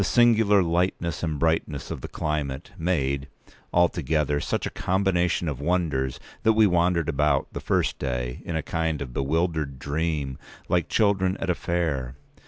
192singular lightness and brightness of the climate—made, altogether, such a combination of wonders that we wandered about, the first day, in a kind of bewildered dream, like children at a fair.